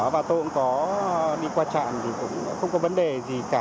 và tôi cũng có đi qua trạm thì cũng không có vấn đề gì cả